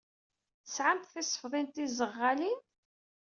Tesɛamt tisefḍin tiẓeɣɣalin?